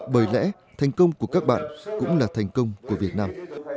bởi lẽ thành công của các bạn cũng là thành công của việt nam